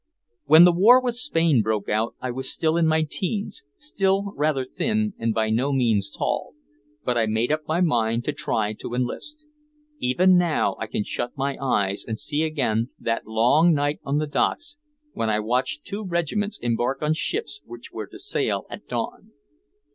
When the war with Spain broke out I was still in my 'teens, still rather thin and by no means tall, but I made up my mind to try to enlist. Even now I can shut my eyes and see again that long night on the docks when I watched two regiments embark on ships which were to sail at dawn.